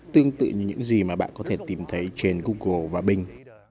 tương tự như những gì mà bạn có thể tìm thấy trên google và bing